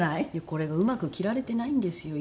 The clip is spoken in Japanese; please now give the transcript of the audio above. これがうまく着られてないんですよ